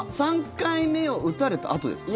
３回目を打たれたあとですか？